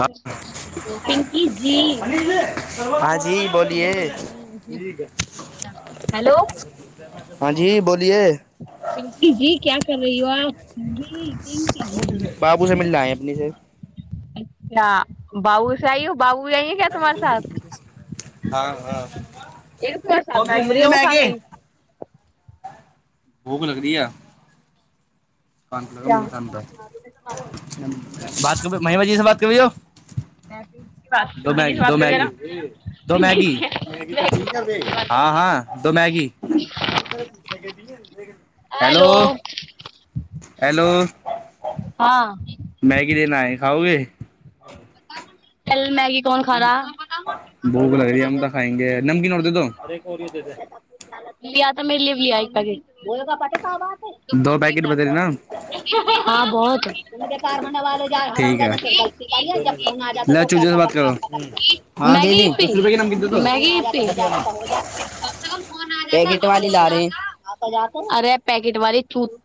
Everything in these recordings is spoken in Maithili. हँ पिंकी जी जी बोलिे पिंकी जी [unintelligible] हेलो हँ जी बोल पिंकी जी क्या कर रही हो आ बाबू से मिलना है अपने से ह बाबूसँ आइ हो बाबू जाइए क्या तुम्हारे साथ एक तर साथ घूम रही ओ खा गी भूक लग री है ात क्या महीमााजी से बात करबैौ [unintelligible] दो मेगी दो मैगी दो म हँ हँ दो मैगी [inaudible] पीछे दिय [unintelligible] हेलो हलो हाँ मैगी देना ह खाओगे [unintelligible] भोग लगी तऽ खायंगे नमकी और दे दो ओर ये दे दे [unintelligible] दो पैकेट बतैेल न [unintelligible] [unintelligible] कम से कमन ठीक है ले चूजे से बात करो हाँ दीदी दस रुपए की नमकीन दे दो मोटी वाली जी जाता जा अरे पैकेट वालेूत [unintelligible]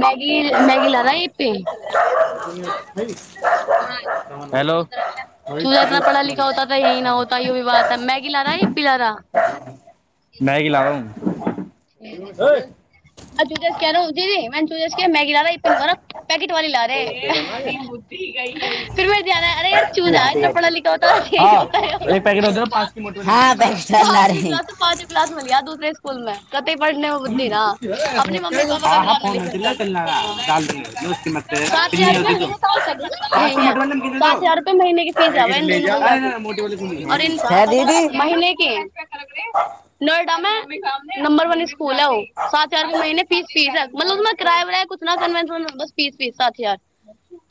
मैगी मैगी लारई पे हेलो चूझा इतना पढ़ा लिखा होता त यह ना होता य भी बात ह मैगी ला रहाै य पी ला रहा मैगी ला रहा हू [unintelligible] मैी ला रहा पिनारा पैकेट वाली ला रहे फर मे ध्यान अरे [unintelligible] चूजा इतना पढ़ा लिखा होता ह होता य एक पॅकेट होत ना पाच की मोठ हा पॅकेट आणणार हाथ भ आहे गलाता पाँचे क्लास म लियाा दूसरे स्कुलमे पे पढ़ने मे बुद्धि न अपने मम्मी पापा हा क बि हा जान फोन होतील ना लिखता चलणारा डाल दूंगे उसकी मत करे यार सात पिन्नी हजार होती तो रुप पाच की यहीै मोठे वाले नमकीन दे दो सात हजार रुपए महिने के फीस पैकेट आबै इ ले दोननो जा भैया अरे के ना मोटी वाली खुली है दीदी आरार महनेके नोएडामे नंबर वन सकूल हो सात चार महिने फीस फीस ह मतलब उमे किराआ उरा कछ न कन्वेंस बस फीस फीस सात हजार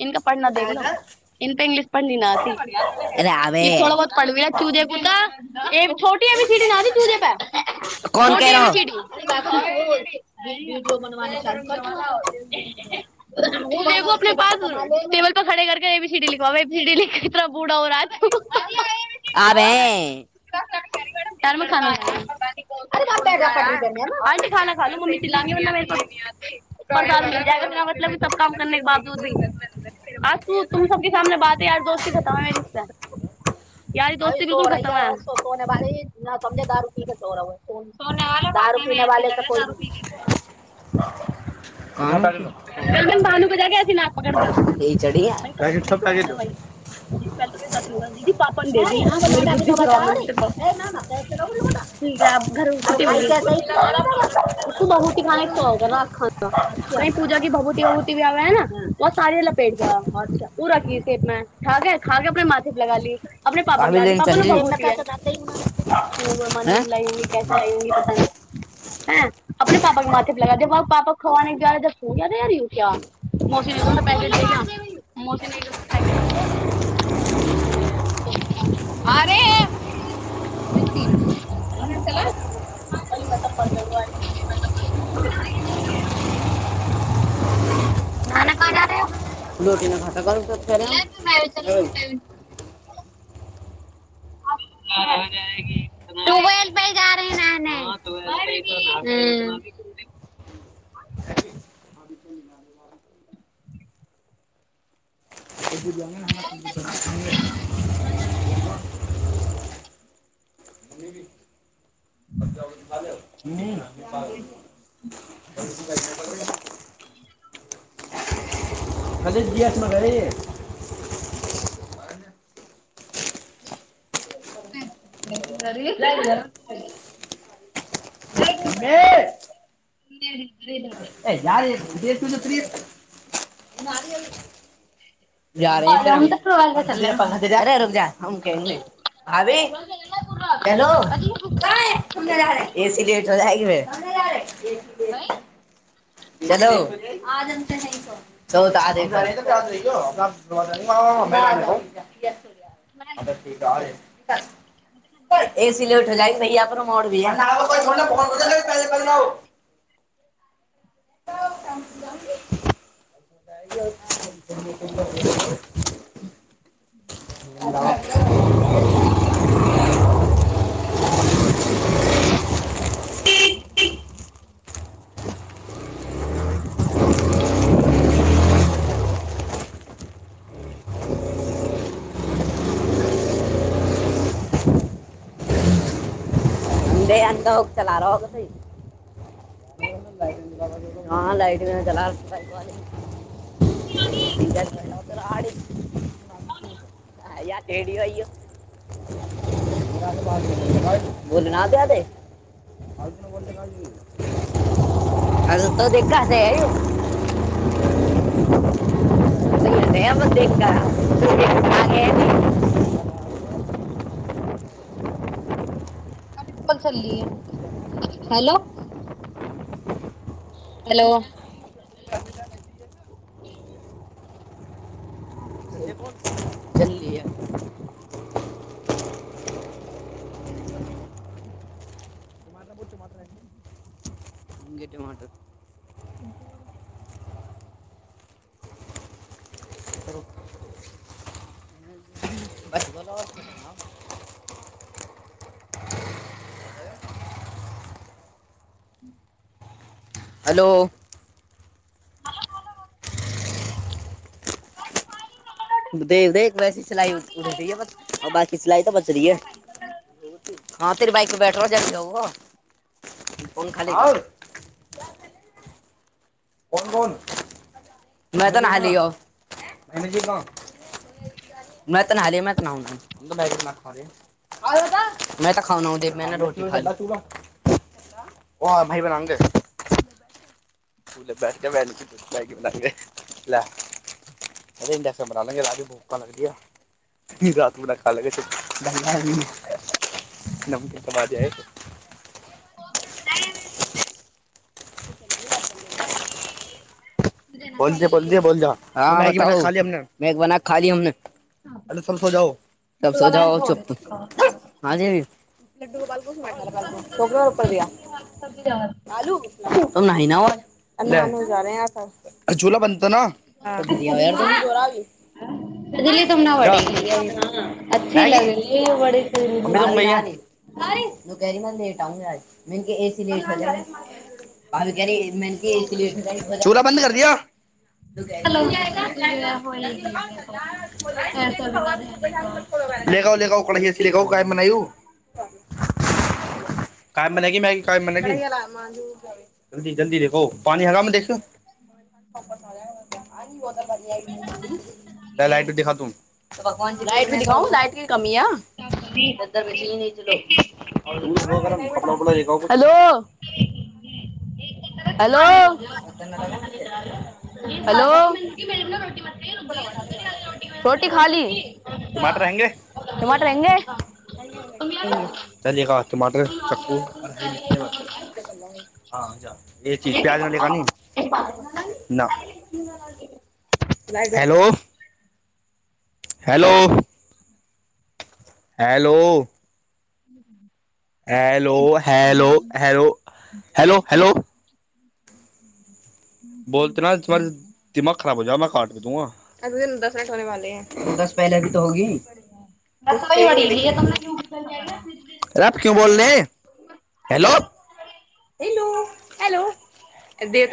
इनका पढ़ना देख लो इन तऽ इंग्लिश पढ़ नथ अरे ई अबे थोड़ बहुत पढ़बी र क दे पू तऽ ए छोटिय भी सीट न दी तू जेे पैर कोन क रहा हो जो बनने सा [unintelligible] एगो अपने पास तो खरे करके ए बी सी डी लिखवावे इतना बूढ़ा हो रहा है आबै धर्म खाना [unintelligible] [unintelligible] काम करने के बाबजूद भी आ तू तुम सबके सामने बात यार दोस्ती खताबै मे द ब समझे दारू की क सौर [unintelligible] कोनो दारु पिने वाले को क त कौन बू कज कसी न पकड़ द क ये चढ़िया पैकेट सब पैकेट दो [unintelligible] ज पल त जात ल दीी [unintelligible] ठ घर [unintelligible] उको बहुत ही खाने शौक ह र खा [unintelligible] यी पूजा क भभूती वभूति भ आबु है ने बहुत सारी लपेट जा ह्छा उ राी सेपमें ठाक है खाक अपने माथेप लगा ली अपने पापा अभी गला द लेने पपा चल रही मनी हैं बुलाई ही ली पता नहि ह अपने पापा के माथेप लगा दे पापा खवे कार त फू या त यार क्य [unintelligible] आरे [unintelligible] [unintelligible] [inaudible] नान कहाजा रहे हो [unintelligible] आ हो जयेगी टूबेल प ग रहे न ह [unintelligible] [inaudible] [inaudible] ह्म [inaudible] [inaudible] हजे गियास म ग [unintelligible] ह्म [inaudible] हा हा हा [unintelligible] ना [unintelligible] ए यार प्रिय [unintelligible] जा रहे ह फरा पंखा देगा कहा डेगा [unintelligible] भाभी चलो एसी लेट हो जाएगी [unintelligible] त यारे बे [unintelligible] चलो आज हम से नहि [unintelligible] [unintelligible] ए सी ले उठ जाइ सहिय पर मोड़ भी य न छ ने ब लल न [unintelligible] ह [inaudible] देे आ चलाारग स [unintelligible] हँ लाइटमे चला [unintelligible] आ [unintelligible] ओन [unintelligible] अ या ेडी भइ य [unintelligible] बोलना प्य त [unintelligible] प नबर चक [unintelligible] त देखगा से [unintelligible] त नहि ब देख देख [unintelligible] कभीर ी ह हलो [unintelligible] हेलो [unintelligible] ह [unintelligible] चल लिया अ [inaudible] होंगे टमाटर जर [unintelligible] बस बोलो और ह खतरनाक [unintelligible] ह [unintelligible] हेलो देख देख वैसी सिलई उधरै ब बी सिलइ तऽ बच रही ह हँ तेरी बइक प बैठ रह जल जाउ कोन खाली त कोन कोन नहि तऽ नहलीौ [unintelligible] नहि तऽ नालिय तऽ नहि [unintelligible] तऽ खााना उ दे रोटी खा [unintelligible] ओ भैबनन दे [unintelligible] पूल ब भने प्रस बै [unintelligible] ओ इडस बना लेे र भूखा लगदए [unintelligible] रात मरा खा लगै छै [unintelligible] नमकीन कब जाय [unintelligible] त [unintelligible] पजे पोजे [unintelligible] खाी [unintelligible] तब सोजा चुप त आ जे भी [unintelligible] छपरू त नी न [unintelligible] झूला बनता न घर भ [unintelligible] सजली तुम ने बड़ी अच्छी मैगी लगै बड़ीजीार [unintelligible] सी तू कह रही लेट आउंगा आज मन के ए सी लेट हो जा [unintelligible] आ चूला बन्द कर दिया [inaudible] हलो होएगी ऐसा बिना दे हने क [unintelligible] लगा लेग कहीै कह कमे नहि [unintelligible] कायममे ल की मै कायम ल जल्दी जल्दी देखो पी हा मे देखौ [unintelligible] क अपन [unintelligible] लाट दिा लट लाइट [unintelligible] कमआ बेो [unintelligible] हेलो ्वारा हेलो ने रोटी [unintelligible] रोटी खा ली टमाटर हंगे टमाटर हयंगे [unintelligible] चलियएा टमाटर च्कू औ हरी मिर्च [unintelligible] हँ ई चीज प्याज ने कानी [unintelligible] न हेलो हेलो हेलो [inaudible] हेलो हो हो हेलो हेलो [inaudible] बोलते न त्हार दिमाग ख़राब हो जाां काटके दूंगा [unintelligible] धोने वाले है बस पहिले भी त होगी [unintelligible] रप क्यों बोल रहे हैं hello [inaudible] Helo hello ए्ड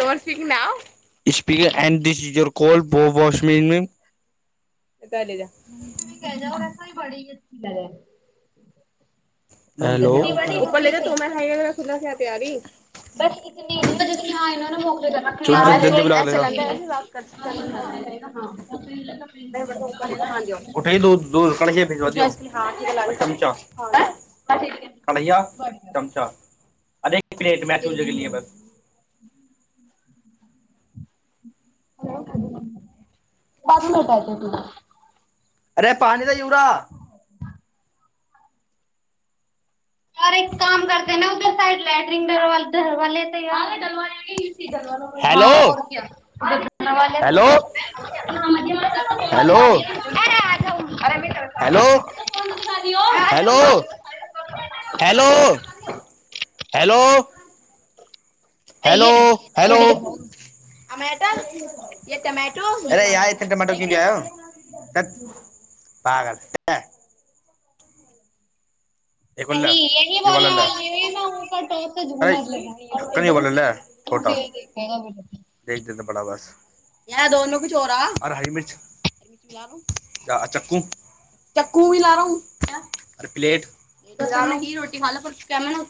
this is your call [unintelligible] बोवाश्मीमे [unintelligible] भी कह जा वऐसा भी बड़ी ही अच्छी लै हेलो इतनी बड़ी ऊपर ले जा तो मैं हाईवे खुला से आती यारी बस इतनी [unintelligible] चुप चुप जल्दी बुला लेगा हँंना ने म [unintelligible] [unintelligible] उठाए दूध केँ भेज द चमचा कलया चमचा [unintelligible] अधे केट मैचूजके लिए बस [unintelligible] ह बाजू भटा छै तरा [unintelligible] अरे पान त यूरा यार एक काम करते न उ तर साइड लेट्रिंग ते रवे [unintelligible] ह हेलो ओर क्या हेलो [unintelligible] हेलो अरे आ जाओ हेलो आ जाओ हेलो ना हेलो हेलो सही हेलो है हेलो बढ़िया टमाटो य टमाटो अरे य इते टमाटो क्य ल आयौ [inaudible] पागल एको ले नहीं यही ये वाला बोलने ले वाली है ने हकर टोर से अरे झूमर लगा है ढक्कन ये एकदमी वाला ले छोटा क कहना भ ल [unintelligible] देख देते बड़ा बस य दोन कुछ हो रहा आर हरि मिर्च चा चाकू चाकू भी लड़ाहु ओर पलेट रोटी खाला पर [unintelligible]